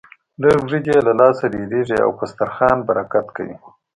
لږ وريجې يې له لاسه ډېرېږي او په دسترخوان برکت کوي.